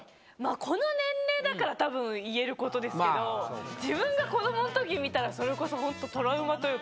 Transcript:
この年齢だから、たぶん言えることですけど、自分が子どものときに見たら、それこそ本当、トラウマというか。